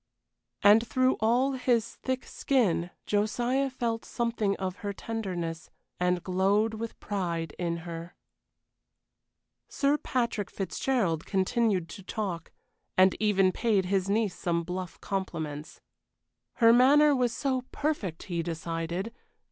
And through all his thick skin Josiah felt something of her tenderness, and glowed with pride in her. Sir Patrick Fitzgerald continued to talk, and even paid his niece some bluff compliments. Her manner was so perfect, he decided!